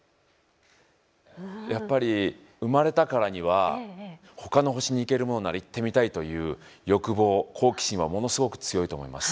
やっぱり生まれたからにはほかの星に行けるものなら行ってみたいという欲望好奇心はものすごく強いと思います。